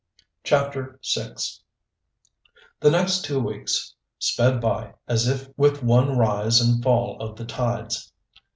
CHAPTER VI The next two weeks sped by as if with one rise and fall of the tides.